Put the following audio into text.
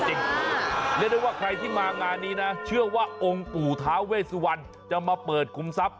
เรียกได้ว่าใครที่มางานนี้นะเชื่อว่าองค์ปู่ท้าเวสวันจะมาเปิดคุมทรัพย